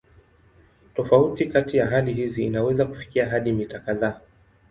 Tofauti kati ya hali hizi inaweza kufikia hadi mita kadhaa.